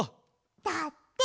だって。